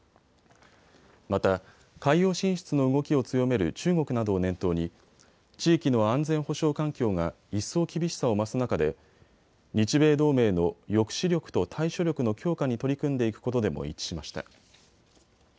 また海洋進出の動きを強める中国などを念頭に地域の安全保障環境が一層厳しさを増す中で日米同盟の抑止力と対処力の強化に取り組んでいくことでも一致しました。